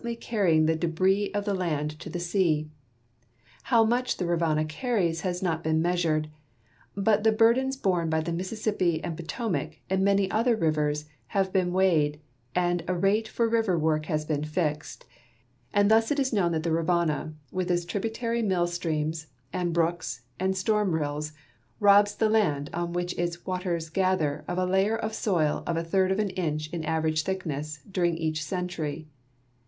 }^ carrying the debris of the land to the sea. How much the Rivanna carries has not been measured, but the burdens l)orne by the Mississippi and Potomac and many other rivers have been weighed and a rate for river woi'k has been fixed, and thus it is known that the Rivanna, with its tributary mill streams and brooks and storm rills, robs the land on which its waters gather of a layer of soil a third of an inch in average thickness during each century.